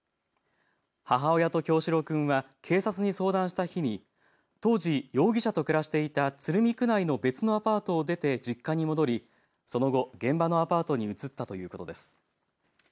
母親と叶志郎君は警察に相談した日に当時、容疑者と暮らしていた鶴見区内の別のアパートを出て１０日に戻りその後、現場のアパートに移ったということです。